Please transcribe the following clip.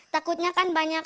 takutnya kan banyak